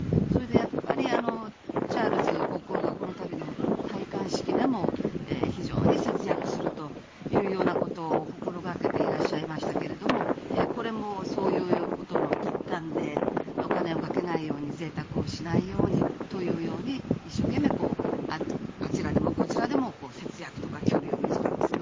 やっぱりチャールズ国王がこの度の戴冠式でも非常に節約するというようなことを心がけていらっしゃいましたがこれも、そういうことの一環でお金をかけないように贅沢をしないようにというように一生懸命あちらでもこちらでも節約とか、距離を短くする。